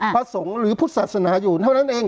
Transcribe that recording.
พระสงฆ์หรือพุทธศาสนาอยู่เท่านั้นเอง